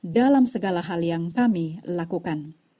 dalam segala hal yang kami lakukan